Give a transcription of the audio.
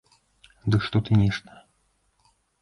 Ды што ты нешта?